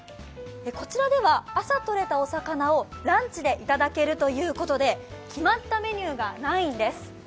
こちらでは朝とれたお魚をランチで頂けるということで、決まったメニューがないんです。